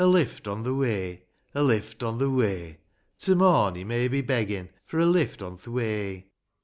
lift on the way ; A lift on the way ; To morn, he may be beggin' for a lift on the way.